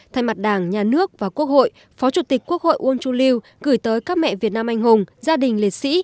thay mặt đảng nhà nước và quốc hội phó chủ tịch quốc hội uông chu lưu gửi tới các mẹ việt nam anh hùng gia đình liệt sĩ